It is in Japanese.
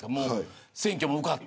選挙も受かって。